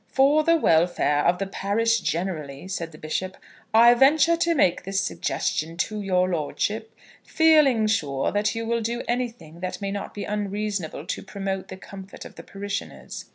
"For the welfare of the parish generally," said the Bishop, "I venture to make this suggestion to your lordship, feeling sure that you will do anything that may not be unreasonable to promote the comfort of the parishioners."